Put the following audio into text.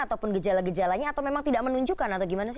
ataupun gejala gejalanya atau memang tidak menunjukkan atau gimana sih